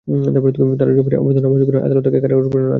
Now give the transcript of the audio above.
তাঁর জামিন আবেদন নামঞ্জুর করে আদালত তাঁকে কারাগারে প্রেরণের আদেশ দেন।